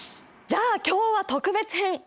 じゃあ今日は特別編！